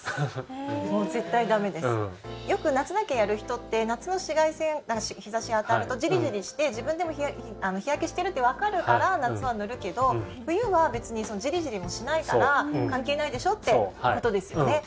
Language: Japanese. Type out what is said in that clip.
よく、夏だけやる人って夏の紫外線、日差しが当たるとジリジリして自分でも日焼けしてるってわかるから夏は塗るけど冬は別にジリジリもしないから関係ないでしょってことですよね。